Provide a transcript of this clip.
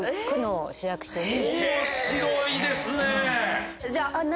面白いですね。